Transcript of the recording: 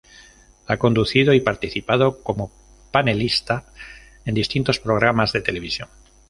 Ha conducido y participado como panelista en distintos programas de televisión.